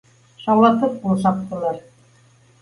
Шаулатып ҡул саптылар